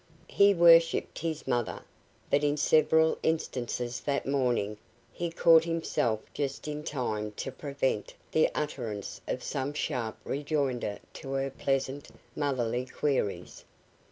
He worshipped his mother, but in several instances that morning he caught himself just in time to prevent the utterance of some sharp rejoinder to her pleasant, motherly queries.